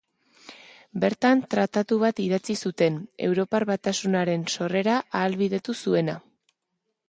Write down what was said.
Bertan tratatu bat idatzi zuten, Europar Batasunaren sorrera ahalbidetu zuena.